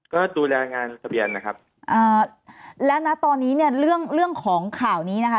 ก็ดูแลงานทะเบียนนะครับแล้วนะตอนนี้เนี่ยเรื่องของข่าวนี้นะคะ